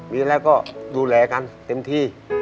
มีอะไรก็ดูแลกันเต็มที่